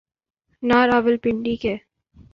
نہ راولپنڈی کے۔